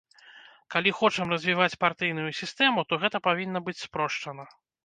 Калі хочам развіваць партыйную сістэму, то гэта павінна быць спрошчана!